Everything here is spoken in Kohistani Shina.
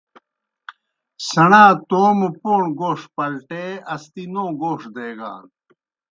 سیْݨا توموْ پوݨوْ گوݜ پلٹے اسدی نوں گوݜ دیگان۔